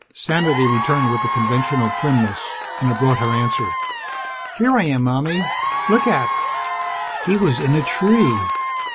Sanity returned with the conventional primness. And it brought her answer. "Here I am, Mommie! Look at!" He was in a tree!